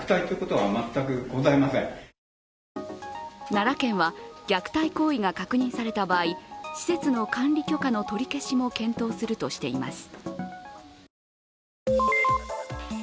奈良県は虐待行為が確認された場合施設の管理許可の取り消しも検討するとしています。